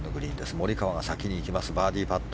モリカワが先に行きますバーディーパット。